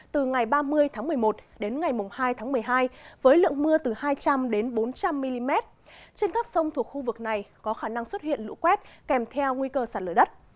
từ ngày ba mươi tháng một mươi một đến ngày hai tháng một mươi hai với lượng mưa từ hai trăm linh bốn trăm linh mm trên các sông thuộc khu vực này có khả năng xuất hiện lũ quét kèm theo nguy cơ sạt lở đất